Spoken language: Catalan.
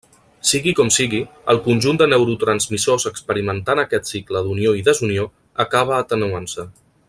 Sigui com sigui, el conjunt de neurotransmissors experimentant aquest cicle d'unió i desunió, acaba atenuant-se.